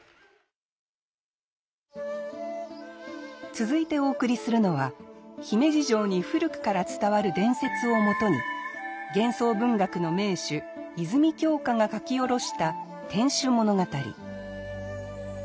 続いてお送りするのは姫路城に古くから伝わる伝説をもとに幻想文学の名手泉鏡花が書き下ろした「天守物語」。